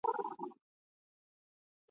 زه به مي څنګه په سیالانو کي عیدګاه ته ځمه !.